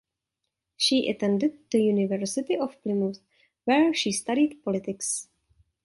She attended the University of Plymouth, where she studied politics.